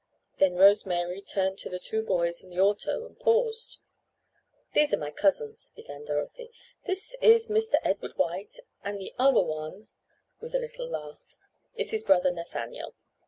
Then Rose Mary turned to the two boys in the auto and paused. "These are my cousins," began Dorothy. "This is Mr. Edward White and the other one,"—with a little laugh,—"is his brother Nathaniel."